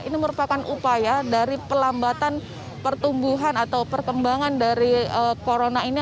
ini merupakan upaya dari pelambatan pertumbuhan atau perkembangan dari corona ini